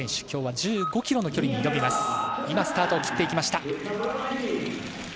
今日は１５ｋｍの距離に挑みます。